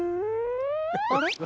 「あれ？